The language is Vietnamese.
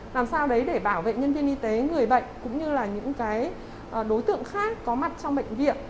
làm sao đấy để bảo vệ nhân viên y tế người bệnh cũng như là những cái đối tượng khác có mặt trong bệnh viện